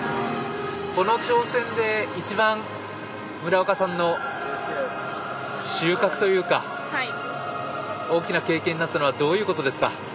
この挑戦で一番村岡さんの収穫というか大きな経験になったのはどういうことですか？